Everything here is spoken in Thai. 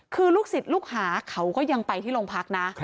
คือลูกศิษย์ลูกหาเขาก็ยังไปที่โรงพักนะ